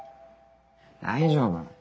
大丈夫。